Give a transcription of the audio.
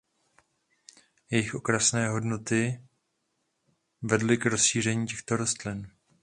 Jejich okrasné hodnoty vedly k rozšíření těchto rostlin.